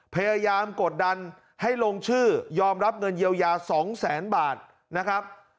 พยายามกดดันให้ลงชื่อยอมรับเงินเยียวยา๒แสนบาทนะครับ